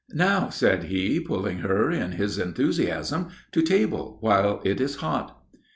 "Now," said he, pulling her in his enthusiasm, "to table while it is hot."